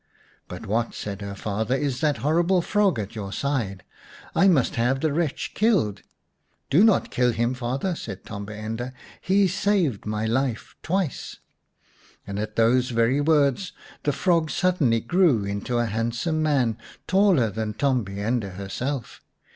" But what," said her father, " is that horrible frog at your side ? I must have the wretch killed." " Do not kill him, father," said Tombi ende, " he saved my life twice." And at those very words the frog suddenly grew into a handsome man, taller than Tombi ende herself.